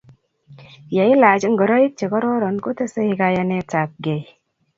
ye ilach ngoroik che kororon ko tesei kayanetab gei